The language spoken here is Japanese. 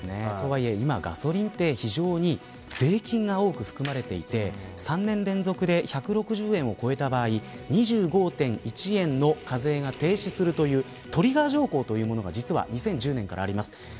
とはいえ、今、ガソリンって非常に税金が多く含まれていて３年連続で１６０円を超えた場合２５．１円の課税が停止するというトリガー条項というものが２０１０年からあります。